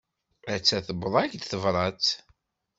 Atta tewweḍ-ak-d tebrat.